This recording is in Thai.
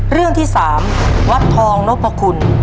เรื่องที่๓วัดทองนพคุณ